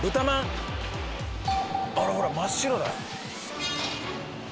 あれほら真っ白だよ。